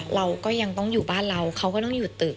เราก็ยังต้องอยู่บ้านเราเขาก็ต้องอยู่ตึก